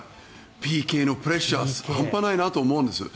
ＰＫのプレッシャー半端ないなと思うんです。